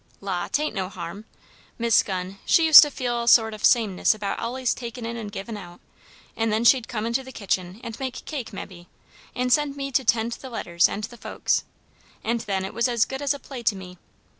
La, 'tain't no harm. Miss Gunn, she used to feel a sort o' sameness about allays takin' in and givin' out, and then she'd come into the kitchen and make cake mebbe, and send me to 'tend the letters and the folks. And then it was as good as a play to me.